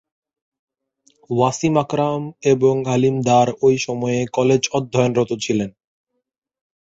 ওয়াসিম আকরাম এবং আলিম দার ঐ সময়ে কলেজে অধ্যয়নরত ছিলেন।